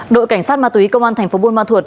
đội cảnh sát ma túy công an tp buôn ma thuột